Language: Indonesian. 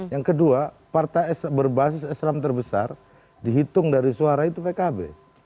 yang kedua partai berbasis islam terbesar dihitung dari suara itu pkb